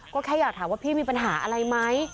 ก็แค่อยากถามว่าพี่มีปัญหาอะไรไหม